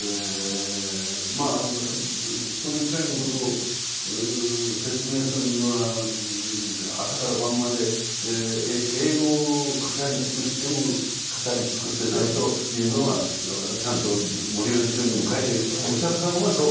まあその光のことを説明するには朝から晩まで永劫語り尽くしても語り尽くせないというのがちゃんと「無量寿経」にも書いてお釈様がそうおっしゃってらっしゃる。